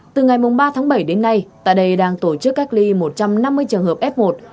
từ ngày ba tháng bảy đến nay tại đây đang tổ chức cách ly một trăm năm mươi trường hợp f một